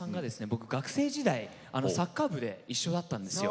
僕学生時代サッカー部で一緒だったんですよ。